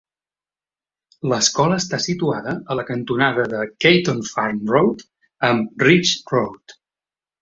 L'escola està situada a la cantonada de Caton Farm Road amb Ridge Road.